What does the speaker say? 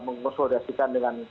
juga mengesodasikan dengan